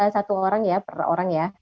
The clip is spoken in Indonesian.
satu orang ya